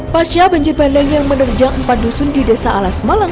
pasca banjir bandang yang menerjang empat dusun di desa alas malang